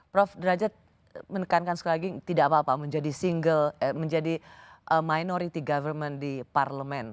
prof derajat menekankan sekali lagi tidak apa apa menjadi single menjadi minority government di parlemen